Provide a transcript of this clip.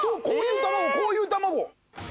こういう卵こういう卵。